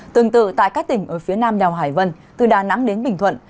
tương tự tại các tỉnh ở phía nam đèo hải vân từ đà nẵng đến bình thuận